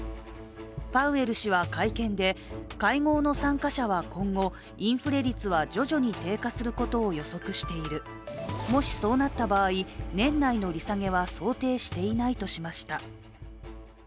パウエル氏は会見で、会合の参加者は今後インフレ率は徐々に低下することを予測している、もしそうなった場合、年内の利下げは想定していないとしました。